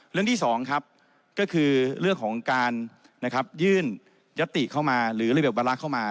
เรื่องที่๒ครับก็คือเรื่องของการยื่นยติเข้ามาหรือระเบียบวาระเข้ามา